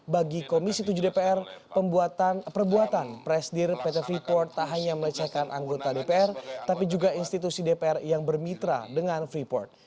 bagi komisi tujuh dpr perbuatan presidir pt freeport tak hanya melecehkan anggota dpr tapi juga institusi dpr yang bermitra dengan freeport